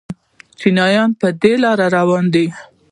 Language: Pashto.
چینایان په دې لار روان دي.